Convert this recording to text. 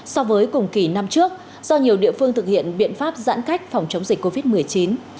so với cùng kỳ năm trước do nhiều địa phương thực hiện biện pháp giãn cách phòng chống dịch covid một mươi chín